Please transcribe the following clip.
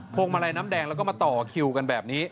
วงมาลัยน้ำแดงแล้วก็มาต่อคิวกันแบบนี้